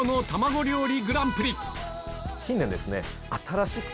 近年ですね。